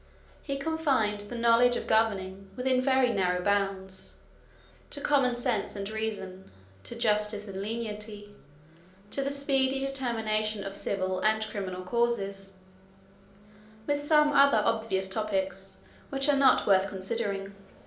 He confined the knowledge of governing within very narrow bounds, to common sense and reason, to justice and lenity, to the speedy determination of civil and criminal causes; with some other obvious topics, which are not worth considering.